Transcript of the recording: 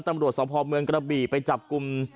ตำรวจสำพอบเมืองกระบีไปจับกุม